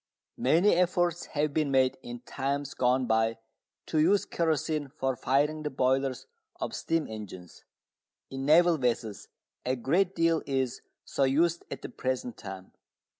Many efforts have been made in times gone by to use kerosene for firing the boilers of steam engines. In naval vessels a great deal is so used at the present time.